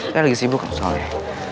saya lagi sibuk soalnya